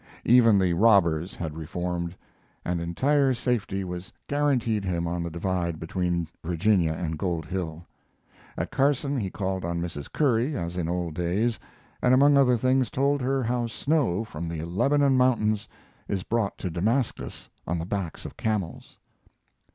Even the robbers had reformed, and entire safety was guaranteed him on the Divide between Virginia and Gold Hill. At Carson he called on Mrs. Curry, as in the old days, and among other things told her how snow from the Lebanon Mountains is brought to Damascus on the backs of camels.